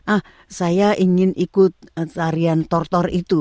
ah saya ingin ikut tarian tortor itu